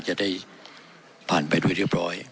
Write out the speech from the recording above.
จะได้ผ่านไปด้วยเรียบร้อย